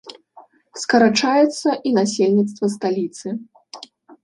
Скарачаецца і насельніцтва сталіцы.